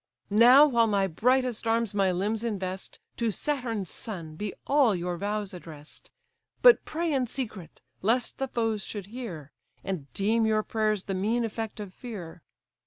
Now while my brightest arms my limbs invest, To Saturn's son be all your vows address'd: But pray in secret, lest the foes should hear, And deem your prayers the mean effect of fear.